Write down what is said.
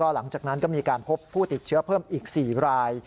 หลังจากนั้นก็มีการพบผู้ติดเชื้อเพิ่มอีก๔ราย